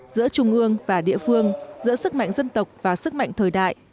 giữa trung ương và địa phương giữa sức mạnh dân tộc và sức mạnh thời đại